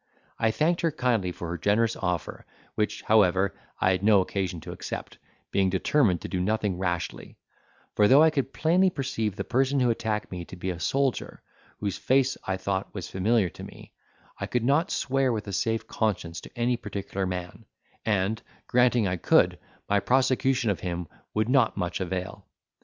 I thanked her kindly for her generous offer, which, however, I had no occasion to accept, being determined to do nothing rashly: for though I could plainly perceive the person who attacked me to be a soldier, whose face I thought was familiar to me, I could not swear with a safe conscience to any particular man; and, granting I could, my prosecution of him would not much avail.